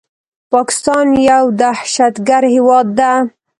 پاکستان يو دهشتګرد هيواد ده